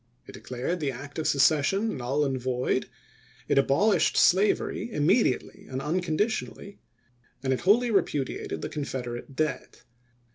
It de clared the act of secession null and void ; it abol ished slavery immediately and unconditionally; and it wholly repudiated the Confederate debt.